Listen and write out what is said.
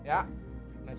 kenyam burus itu